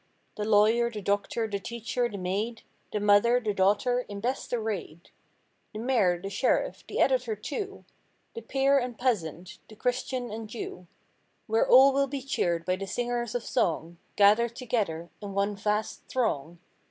The lawyer, the doctor, the teacher, the maid. The mother, the daughter, in best arrayed; The mayor, the sheriff, the editor, too; The peer and peasant, the Christian and Jew, Where all will be cheered by the singers of song Gathered together in one vast throng.